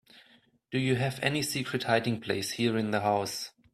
Do you have any secret hiding place here in the house?